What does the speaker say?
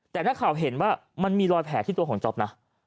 แต่นักข่าวเห็นว่ามันมีรอยแผลที่ตัวของจ๊อปนะ